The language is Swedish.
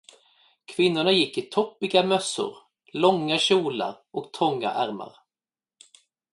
Kvinnorna gick i toppiga mössor, långa kjolar och trånga ärmar.